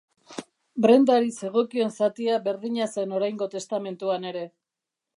Brendari zegokion zatia berdina zen oraingo testamentuan ere.